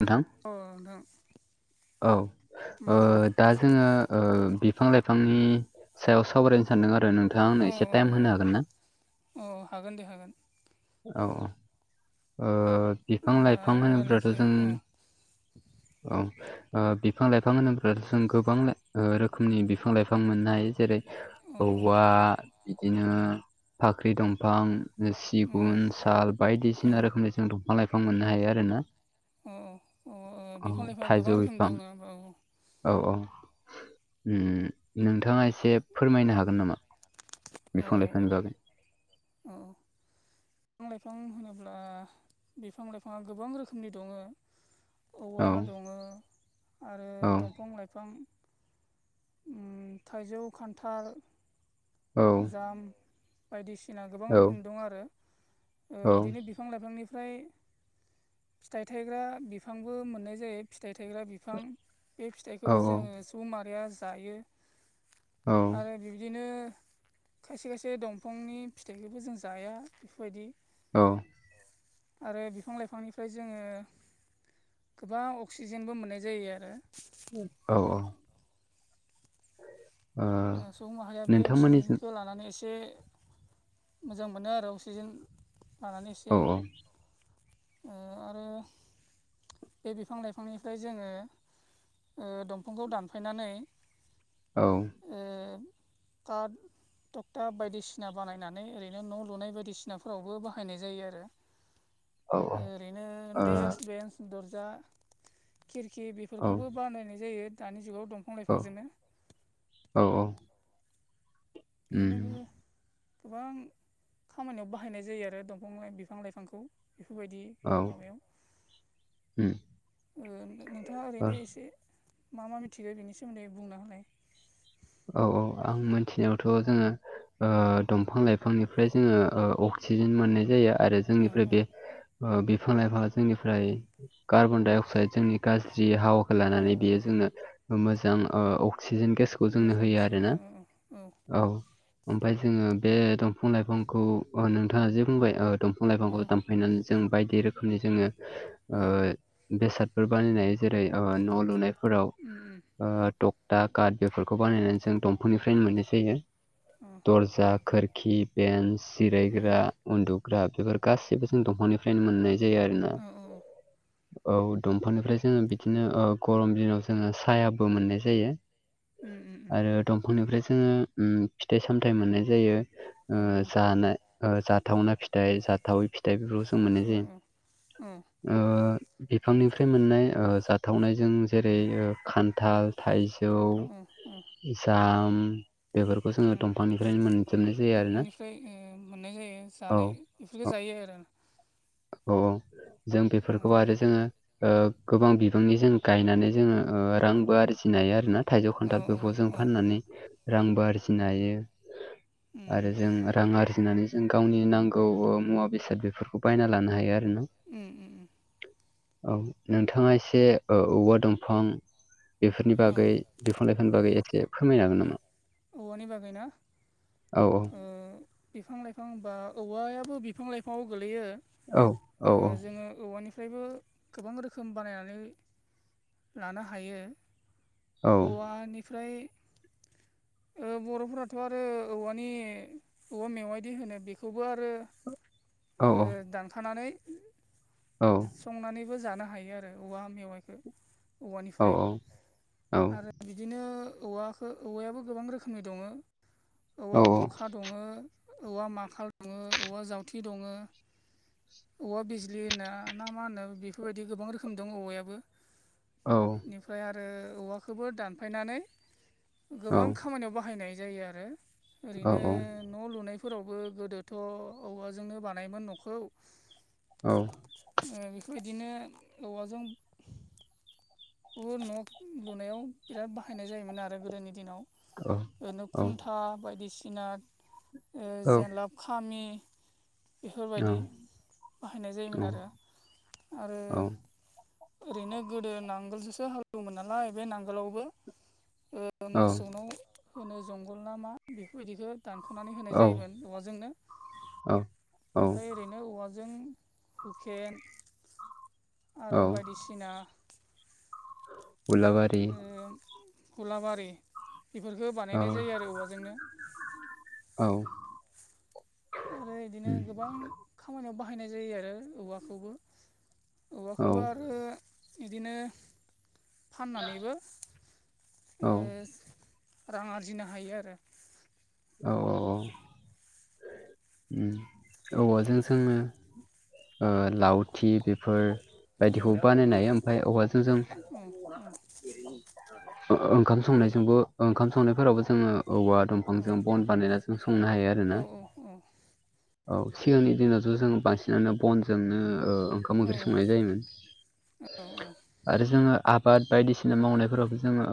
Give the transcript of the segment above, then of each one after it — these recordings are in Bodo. नोंथां। अ नोंथां। औ मा ओ खबर दा जोङो ओ बिफां-लाइफांनि सायाव सावरायनो‌। सानदों आरो नोंथाङा औ आंनो एसे टाइम होनो हागोन ना औ हागोन दे हागोन औ औ। ओ अब्ला बिफां-लाइफां होनोब्लाथ' रायज्लायनोसै जों। औ औ। ओ बिफां-लाइफां होनोब्ला जों गोबां ओ रोखोमनि बिफां- लाइफां मोननो हायो जेरै। औ औवा बिदिनो फाख्रि दंफां। औ सिगुन साल बायदिसिना रोखोमनि जों दंफां- लाइफां मोननो हायो आरो ना। औ औ औ बिफां लाइफां थाइजौ गोबां रोखोमनि बिफां दं औ। औ औ उम उम नोंथाङा एसे फोरमायनो हागोन नामा? बिफां लाइफांनि बागै। औ औ बिफां लाइफां होनोब्ला बिफां लाइफाङा गोबां रोखोमनि दङ' औवा औ दङ' आरो औ दंफां लाइफां उम थाइजौ खान्थाल जाम बायदिसिना गोबां औ रोखोमनि दं आरो ओ औ बिदिनो बिफां लाइफांनिफ्राय फिथाइ थायग्रा बिफांबो मोननाय जायो फिथाइ थायग्रा बिफां बे फिथाइखौ औ जोङो जौ मारिया जायो औ आरो बिब्दिनो खायसे खायसे दंफांनि फिथाइखौबो जों जाया बेफोरबायदि औ आरो बिफां लाइफांनिफ्राय जोङो गोबां अक्सिजेनबो मोननाय जायो आरो। औ औ ओ सुबुं माहारिया बे नोंथांमोननिसिम अक्सिजेनखौ लानानै एसे मोजां मोनो आरो अक्सिजेन लानानै औ एसे आरो बे बिफां लाइफांनिफ्राय जोङो दंफांखौ दानफायनानै औ ओ दा टक्टा बायदिसिना बानायनानै ओरैनो न' लुनाय बायदिसिनाफोरावबो बाहायनाय जायो आरो औ ओ ओरैनो औ देक्स बेन्स दरजा खिरखि बे औ फोरखौबो बानायनाय जायो दानि जुगाव दंफां लाइफांजोंनो औ औ बेनो उम गोबां खामानियाव बाहायनाय जायो आरो दंफां लाइ बिफां लाइफांखौ बेफोरबायदि औ माबायाव उम नोंथाङा ओ ओरैनो एसे मा मा मिथिगौ बिनि सोमोन्दै बुंना हालाय औ औ आं मिथिनायावथ' जोङो दंफां लाइफांनिफ्राय जोङो अक्सिजेन मोननाय जायो आरो औ जोंनिफ्राय औ बे बिफां लाइफाङा जोंनिफ्राय कार्बन डाइ अक्साइड जोंनि गाज्रि हावाखौ औ लानानै औ बियो जोनो मोजां अक्सिजेन गेस खौ जोंनो मोजां होयो अक्सिजेन औ आरोना औ ओमफाय जोङो बे दंफां लाइफांखौ नोंथाङा जे बुंबाय द बिफां लाइफांखौ औ दानफायनानै जों बायदि रोखोमनि जोङो औ बेसादफोर बानायनाय जेरै न' लुनायफोराव उम उम थकथा काट बेफोरखौ बानायनानै जों दंफांनिफ्रायनो मोननाय जायो औ दर्जा खोरखि बेन्स औ जिरायग्रा उन्दुग्रा बेफोर गासैबो जों दंफांनिफ्रायनो मोननाय जायो आरोना औ औ औ दंफांनिफ्राय जोङो बिदिनो गरम दिनाव जोङो सायाबो मोननाय जायो उम उ उम आरो दंफांनिफ्राय जोङो फिथाइ सामथाइ मोननाय जायो औ औ जानाय जाथावनाा फिथाइ जाथावै फिथाइ बेफोरखौ जों मोनो औ जे औ ओ बिफांनिफ्राय मोननाय जाथावनायजों जेरै खान्थाल थाइज खान्थाव औ अ जाम बेफोरखौ जोङो ओ दंफांनिफ्रायनो मोनजोबनाय जायो आरोना दंफांनिफ्राय औ बेफोरखो औ जायो आरो औ औ जों बेफोरखौ आरो जोङो गोबां बिबांनि जों गायनानै जोङो रांबो आरजिनो हायो आर ना थाइजौ ओ औ बेखौजों फाननानै रांबो आरजिनो हायो उम आरो जों रां आरजिनानै जों गावनि नांगौ मुवा बेसाद बेफोरखौ बायना लानो हायो आरो ना उम उ उ औ नोंथाङा एसे औवा दंफां बेफोरनि औ बागै। बिफां लाइफां बागै एसे फोरमायनो हागोन नामा? औवानि बागैना औ बिफां लाइफां बा औवायाबो बिफां लाइफाङाव गोलैयो औ औ जोङो औवानिफ्रायबो गोबां रोखोम बानायनानै लानो हायो औ औवानिफ्राय बर'फोराथ' आरो औवानि औा मेवायदि होनो बेखौबो आरो औ दानखानानै। औ। संनानैबो जानो हायो आरो औवा मेवाइखौ औ औवानिफ्राय औ आरो बिदिनो औवाखौ औवायाबो गोबां रोखोमनि दङ। औवा बुरखा दङ औवा माखाल दङ औवा जावथि दङ। औवा बिजलि होनना ना मा होनो बेफोरबायदि गोबां रोखोम दं औवायाबो औ बेनिफ्राय आरो औवखौबो दानफायनानै औ गोबां। खामानियाव बाहायनाय जायो आरो औ ओरैनो। न' लुनायफोरावबो गोदोथ' औवाजोंनो बानायोमोन न'खौ। औ बेफोरबायदिनो औवाजों। ब न' लुनायाव बिराद बाहायनाय जायोमोन आरो गोदोनि दिनाव ओरैनो खुन्था बायदिसिना। जेनलाब खामि बेफोरबायदि बाहायनाय जायोमोन आरो आरो। ओरैनो गोदो नांगोलजोंसो हालवमोन नालाय बे नांगोलावबो मोसौनाव होनो जंगल ना मा बेफोरबायदिखौ दानख'नानै होनाय औ जायोमोन औवाजोंनो औ ओमफ्राय ओरैनो औवाजों हुफेन औ आरो बायदिसिना उलाबारि गलाबारि बेफोरफोरखौो औ बानायनाय जायो आरो औवाजोंनो औ। आरो इदिनो गोबां खामानियाव बाहायनाय जायो आरो औवाखौबो। औ औवाखौबो आरो बिदिनो फाननानैबो औ रां आरजिनो हायो आरो। औ औ औ। औवाजों जोङो लावथि बेफोर बायदिखौबो बानायनाय ओमफ्राय औवाजों जों। अ औ। ओंखाम संनायजोंबो ओंखाम संनायफोरावबो जोङो औवा दं। औ बिफांजों बन बानायना जों संनो हायो आरोना। औ सिगांनि दिनावथ' जों बांसिनानो बनजोंनो ओखाम औ ओंख्रि संनाय जायोमोन आरो जोङो आबाद बायदिसिना मावनायफोराव जोङो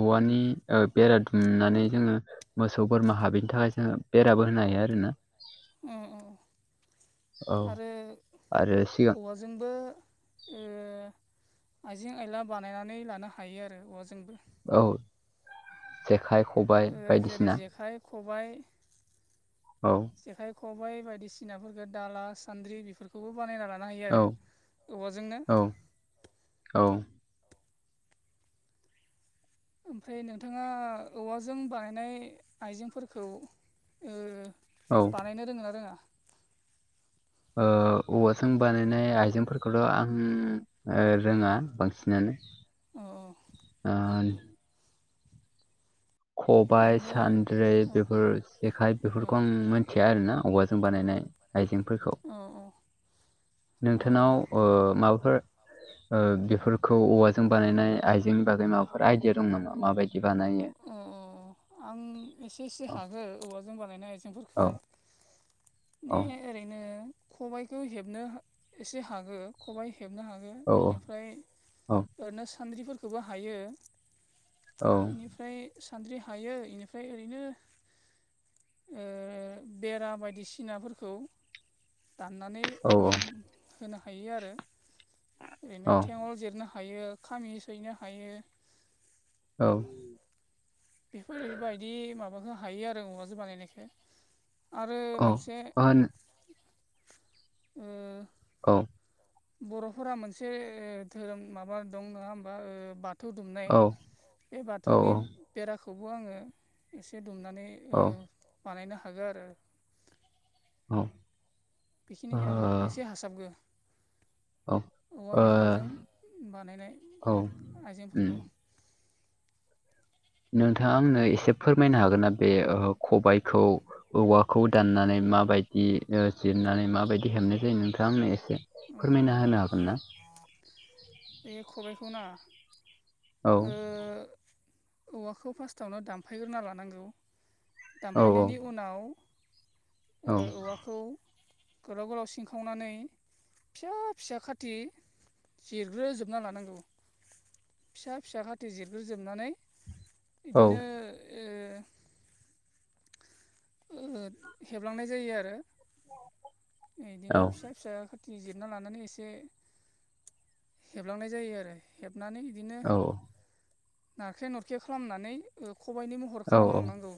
औवानि ओ बेरा दुमनानै जोङो मोसौ बोरमा हाबैनि थाखाय जो बेराबो होनो हायो आरो ना? अ औ औ आरो आरो सिगां औ। जोंबो ओ आइजें आइला बानायनानै लानो हायो आरो औवाजोंबो औ जेखाइ खबाइ बायदिसिना खबाय औ। जेखाइ खबाइ बायदिसिनाफोरफोरखौ दाला सान्द्रि बेफोरखौ बेखौबो बानायना लानो हायो औ आरो औवाजोंनो औ औ। ओमफ्राय नोंथाङा औवाजों बानायनाय आइजेंफोरखौ ओ औ बानायनो रोङो ना रोङा? ओ औवाजों बानायनाय आइजेंफोरखौथ' आं रोङा बांसिनानो औ आ खबाइ ओरैनो सान्द्रि औ बेफोर जेखाइ औ बेफोरखौ आं मिथिया आरोना औवाजों बानायनाय आइजेंफोरखौ। अ अ नोंथांनाव ओ माबाफोर ओ बेफोर खौ औवाजों बानायनाय आइजेंनि बागै माबाफोर आइदिया दं नामा माबायदि बानायो? अ अ अ आं एसे एसे हागो औवाजों बानायनाय आइजेंफोरखौ। औ ने औ ओरैनो खबाइखौ हेबनो एसे हागो खबाइ हेबनो हागो औ बेनिफ्राय औ ओरैनो सान्द्रिफोरखौबो हायो औ ओमफ्राय सानद्रि हायो इनिफ्राय ओरैनो ओ बेरा बायदिसिनाफोरखौ दाननानै औ औ होनो हायो आरो ओरैनो औ थेंङल जिरनो हा हायो खामि सैनो हायो औ बेफोरबायदि माबाखौ हायो आरो औवाजों बानायनायखो। आरो औ मोनसे औ बर'फोरा मोनसे धोरोम माबा दं नङा होमबा बा थौ दुमनाय बे बाथौनि औ बेराखौबो आङो एसे दुमनानै ओ बानायनो हागोन आरो। ह बेखिनिखौ आं एसे हासाबगो औ ओ औवा बिफांजों बानायनाय औ उम आइजेंफोरखौ नोंथाङा आंनो एसे फोरमायनो हागोन ना बे ओ खबाइखौ औवाखौ दाननानै माबायदि जिरनानै माबायदि हेबनाय जायो नोंथां आंनो एसे अ अ फोरमायना अ होनो हागोन ना? बे खबाइखौ ना औ ओ औवाखौ फार्स्टआवनो दानफायग्रोना लानांगौ। औ दानफायनायनि उनाव ओ औ औवाखौ गोलाव गोलाव सिनखावनानै फिसा फिसा खाथि जिरग्रोजोबना लानांगौ फिसा फिसा खााथि जिरग्रोजोबनानै औ बिदिनो ओ ओ हेबलांनाय जायो आरो औ इदिनो फिसा फिसा जिरना लानानै एसे हेबलांनाय जायो आरो हेबनानै बिदिनो औ नारखे नुरखे खालामनानै ओ खबाइनि मुं हर औ खालामलांनांगौ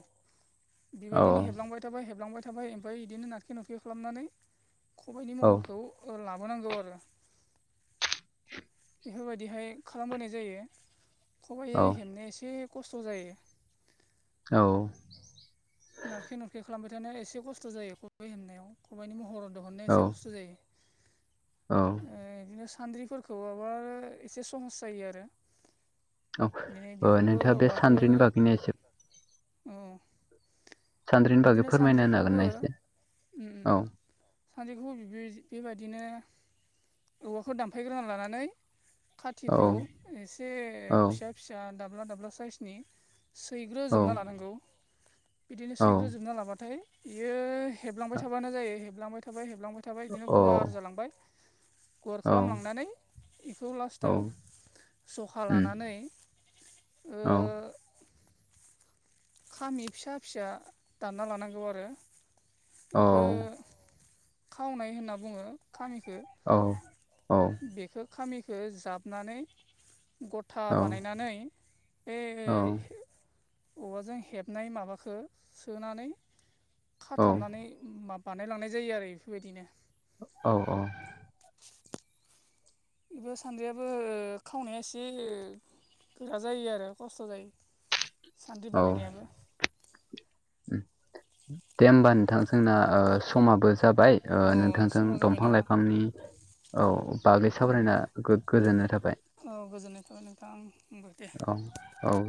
औ बेबायदिनो हेबलांबाय थाबाय हेबलांबाय थाबाय ओमफ्राय बिदिनो नारखे नुरखे खालामनानै खबाइनि औ महरखौ ओ लाबोनांगौ आरो बेफोरबायदिहाय खालामबोनाय जायो खबाइ हेबनाया एसे खस्थ' जायो। औ। नारखे नुरखे खालामबाय थानाया एसे खस्थ' जायो खबाइ हेबनायाव। खबाइनि महराव दिहुननाया औ एसे बुस्थु जायो। औ। ओ इदिनो सान्द्रिफोरखौ माबा एसे सहस जायो आरो औ बिानै ओ बेखौबो नोंथाङा बे औवाखो सान्द्रिनि बागैनो एसे ओ सान्द्रिनि बागै बिदिनो फोरमायना होनो हागोन सान्द्रिखौबो ना ओ एसे? औ सानद्रिखौ बेबायदिनो औवाखौ दानफायग्रोना लानानै औ खाथििखौ एसे औ फिसा फिसा दाब्ला दाब्ला साइसनि औ सैग्रोजोबना लानांगौ। बिदिनो औ सैग्रोजोबना लाबाथाय बियो हेबलांबाय थाबानो जायो हेबलांबाय थाबाय हेबलांबाय [unintelligible] थाबाय बिदिनो गुवार जालांबाय। गुवार अ औ खालामलांनानै बेखौ औ लास्टाव जखा औ लानानै ओ खामि फिसा- फिसा दानना लानांगौ आरो बेखौ औ खावनाय होनना बुङो खामिखौ औ औ। बेखौ खामिखौ जाबनानै [unintelligible] [unintelligible] बानायनानै बे औवाजों हेबनाय माबाखौ सोनानै खाथाबनानै [unintelligible] बानायलांनाय जायो आरो बेफोरबायदिनो। औ औ। बेबो सान्द्रियाबो खावनाया एसे गोरा जायो आरो खस्थ' जायो सान्द्रि बानायनायाबो। दे होमबा नोंथां जोंना समाबो जाबाय। अ नोंथांजों समा दंफां जाबायना -लाइफांनि औ बागै सावरायना गोजोननाय थाबाय। औ गोजोननाय थाबाय नोंथां ओं। औ औ।